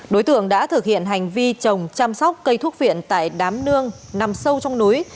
đối tượng đã thực hiện hành vi trồng chăm sóc cây thuốc viện tại đám nương nằm sâu trong núi